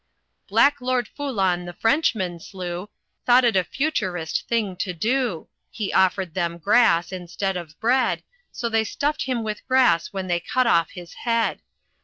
"Black Lord Foulon the Frenchmen slew. Thought it a Futurist thing to do; He offered them grass instead of bread, So they stuffed him with grass when they cut off his head.